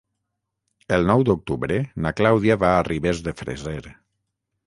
El nou d'octubre na Clàudia va a Ribes de Freser.